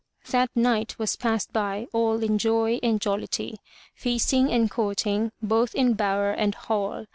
That night was passed by all in joy and jollity, feasting and courting both in bower and hall.